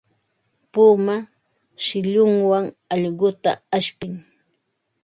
Puma shillunwan allquta ashpin.